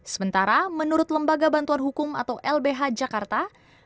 sementara menurut lembaga bantuan hukum atau lbh jakarta